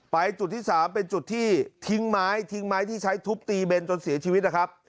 จุดที่๓เป็นจุดที่ทิ้งไม้ทิ้งไม้ที่ใช้ทุบตีเบนจนเสียชีวิตนะครับ